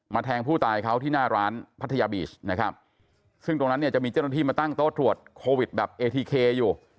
แทงผู้ตายเขาที่หน้าร้านพัทยาบีชนะครับซึ่งตรงนั้นเนี่ยจะมีเจ้าหน้าที่มาตั้งโต๊ะตรวจโควิดแบบเอทีเคอยู่